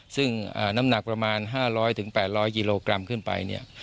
ซึ่งน้ำหนักประมาณ๕๐๐๘๐๐กิโลกรัมขึ้นไปเนี่ย